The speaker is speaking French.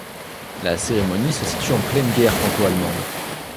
La cérémonie se situe en pleine guerre franco-allemande.